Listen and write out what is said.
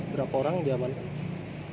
berapa orang diamankan